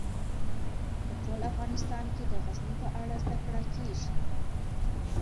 په ټول افغانستان کې د غزني په اړه زده کړه کېږي.